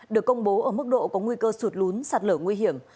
được công bố ở mức độ có nguy cơ sụt lún sạt lở nguy hiểm